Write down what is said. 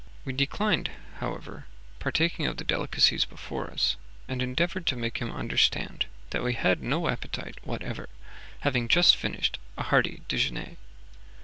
We declined, however, partaking of the delicacies before us, and endeavoured to make him understand that we had no appetite whatever, having just finished a hearty dejeuner.